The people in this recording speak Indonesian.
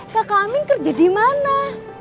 kak amin kerja dimana